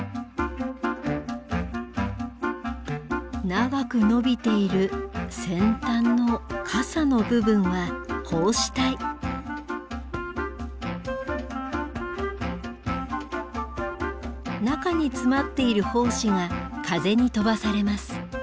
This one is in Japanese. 長く伸びている先端の傘の部分は中に詰まっている胞子が風に飛ばされます。